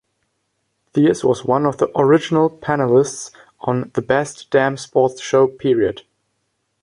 Theus was one of the original panelists on "The Best Damn Sports Show Period".